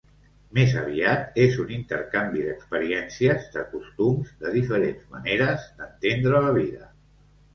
Més aviat és un intercanvi d'experiències, de costums, de diferents maneres d'entendre la vida.